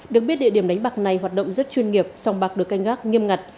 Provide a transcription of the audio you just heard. được biết địa điểm đánh bạc này hoạt động rất chuyên nghiệp song bạc được canh gác nghiêm ngặt